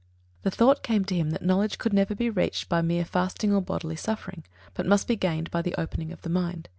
The thought came to him that knowledge could never be reached by mere fasting or bodily suffering, but must be gained by the opening of the mind.